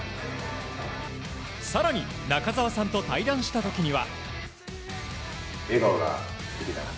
更に、中澤さんと対談した時には。